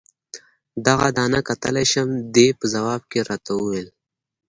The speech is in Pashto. دغه دانه کتلای شم؟ دې په ځواب کې راته وویل.